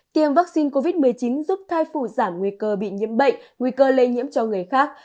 tiêm vaccine covid một mươi chín giúp thai phụ giảm nguy cơ bị nhiễm bệnh nguy cơ lây nhiễm cho người khác